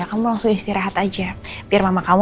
kamu langsung istirahat aja biar mama kamu